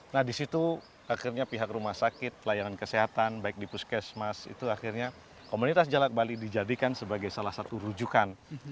nah disitu akhirnya pihak rumah sakit layanan kesehatan baik di puskesmas itu akhirnya komunitas jalak bali dijadikan sebagai salah satu rujukan